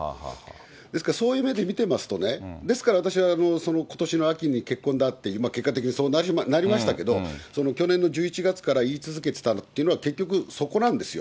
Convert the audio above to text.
ですから、そういう目で見てますとね、ですから私は、ことしの秋に結婚だって、結果的にそうなりましたけど、去年の１１月から言い続けてきたっていうのは結局そこなんですよ。